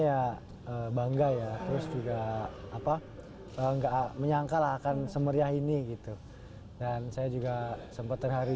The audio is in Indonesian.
ya bangga ya terus juga apa enggak menyangka lah akan semeriah ini gitu dan saya juga sempat terhari